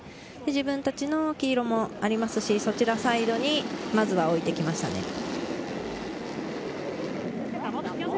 自分たちの黄色もありますし、そちらサイドにまずは置いてきましたね。